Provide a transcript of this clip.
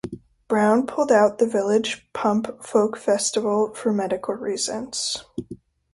Brown pulled out of the Village Pump Folk Festival for medical reasons.